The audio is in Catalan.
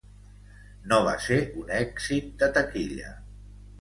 No va ser un èxit de taquilla.